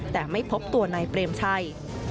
แต่ไม่พบตัวนายเปรมชัย